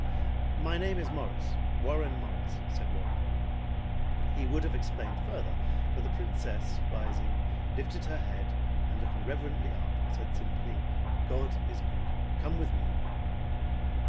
"My name is Morris, Warren Morris," said Warren. He would have explained farther, but the Princess, rising, lifted her head and looking reverently up, said simply, "God is good! Come with me!"